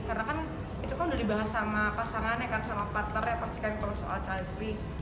karena kan itu kan udah dibahas sama pasangannya kan sama partnernya pasti kan yang perlu soal childfree